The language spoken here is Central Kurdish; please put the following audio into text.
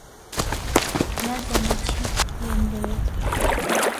نازانم چیت لێم دەوێت.